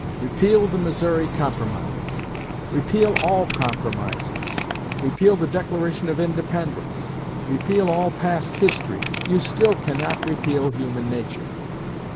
Repeal the Missouri Compromise; repeal all compromises; repeal the Declaration of Independence; repeal all past history, you still cannot repeal human nature.